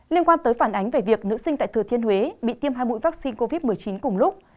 liên quan tới phản ánh về việc nữ sinh tại thừa thiên huế bị tiêm hai mũi vaccine covid một mươi chín cùng lúc